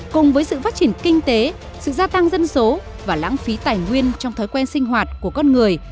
cùng với sự phát triển kinh tế sự gia tăng dân số và lãng phí tài nguyên trong thói quen sinh hoạt của con người